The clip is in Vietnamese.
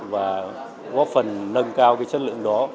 và góp phần nâng cao cái chất lượng đó